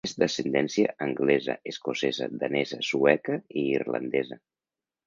És d'ascendència anglesa, escocesa, danesa, sueca i irlandesa.